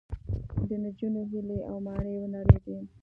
د نجونو هیلې او ماڼۍ ونړېدې